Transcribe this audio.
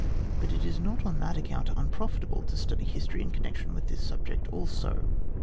But it is not on that account unprofitable to study history in connection with this subject also.